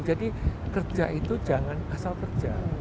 jadi kerja itu jangan asal kerja